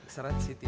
seret sih tipis